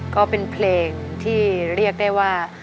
ก็เป็นเพลงที่เรียกได้ว่า